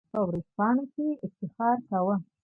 په ورځپاڼو کې یې افتخار کاوه.